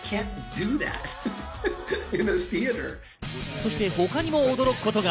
そして他にも驚くことが。